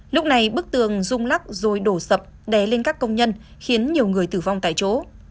lúc này bức tường rung lắc rồi đổ sập đè lên các công nhân khiến nhiều người tử vong tại chỗ